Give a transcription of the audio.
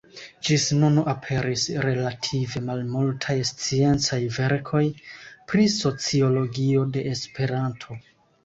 Ĝis nun aperis relative malmultaj sciencaj verkoj pri sociologio de Esperanto.